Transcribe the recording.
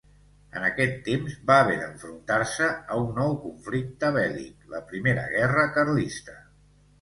En aquest temps va haver d'enfrontar-se a un nou conflicte bèl·lic, la Primera Guerra Carlista.